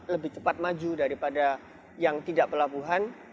lebih cepat maju daripada yang tidak pelabuhan